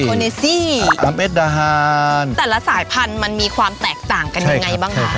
เนซี่ตามเอ็ดดาฮานแต่ละสายพันธุ์มันมีความแตกต่างกันยังไงบ้างคะ